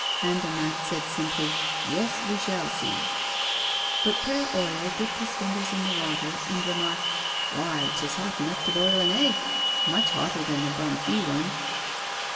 Andermatt said simply: "Yes, we shall see." But Père Oriol dipped his fingers in the water, and remarked: "Why, 'tis hot enough to boil an egg, much hotter than the Bonnefille one!"